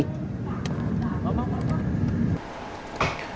vâng vâng vâng